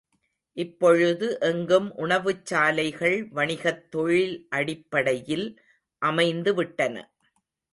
இப்பொழுது எங்கும் உணவுச் சாலைகள் வணிகத் தொழில் அடிப்படையில் அமைந்துவிட்டன.